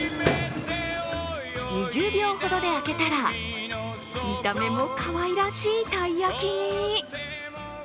２０秒ほどで開けたら、見た目もかわいらしいたい焼きに。